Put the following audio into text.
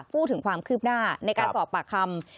พูดถึงความคืบหน้าในการสอบปากคำ